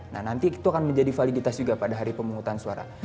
nah nanti itu akan menjadi validitas juga pada hari pemungutan suara